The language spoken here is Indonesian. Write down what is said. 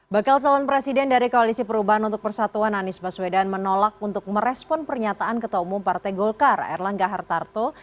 bakal calon presiden dari koalisi perubahan untuk persatuan anies baswedan menolak untuk merespon pernyataan ketua umum partai golkar erlangga hartarto